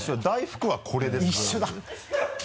大福はこれですから。